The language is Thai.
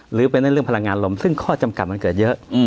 หรือเป็นเรื่องพลังงานลมซึ่งข้อจำกัดมันเกิดเยอะ